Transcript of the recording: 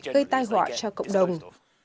gây tai hỏa cho cộng đồng